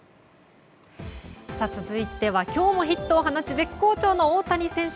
続いては今日もヒットを放ち絶好調の大谷選手。